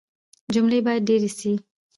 جملې بايد ډېري سي.